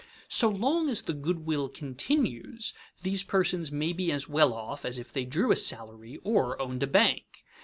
So long as the good will continues these persons may be as well off as if they drew a salary or owned a bank.